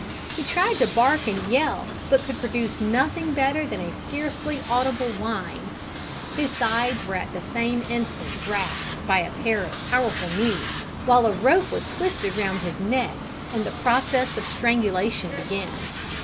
He tried to bark and yell, but could produce nothing better than a scarcely audible whine. His sides were at the same instant grasped by a pair of powerful knees, while a rope was twisted round his neck, and the process of strangulation began.